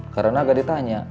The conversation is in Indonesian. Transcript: karena gak ditanya